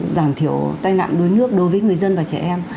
giảm thiểu tai nạn đuối nước đối với người dân và trẻ em